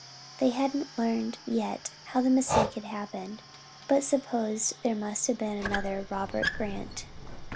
They hadn't learned yet how the mistake had happened but supposed there must have been another Robert Grant.